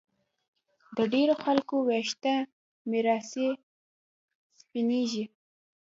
د ډېرو خلکو ویښته میراثي سپینېږي